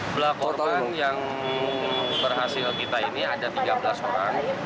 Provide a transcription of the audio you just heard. belah korban yang berhasil kita ini ada tiga belas orang